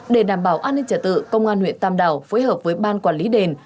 để đảm bảo an ninh trật tự công an huyện tam đảo phối hợp với ban quản lý đền